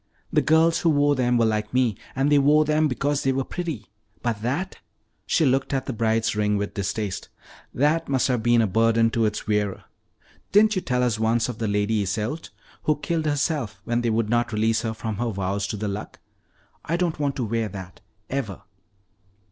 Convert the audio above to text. The girls who wore them were like me, and they wore them because they were pretty. But that " she looked at the Bride's ring with distaste "that must have been a burden to its wearer. Didn't you tell us once of the Lady Iseult, who killed herself when they would not release her from her vows to the Luck? I don't want to wear that, ever."